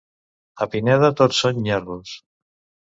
A Pineda tots són nyerros.